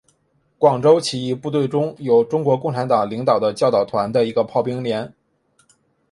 广州起义部队中有中国共产党领导的教导团的一个炮兵连。